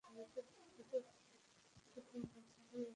তখন বুঝলাম, এরা ভূত।